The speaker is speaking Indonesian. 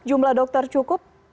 jumlah dokter cukup